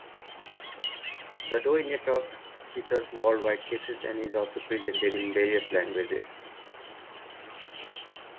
The Doe Network features worldwide cases and is also presented in various languages.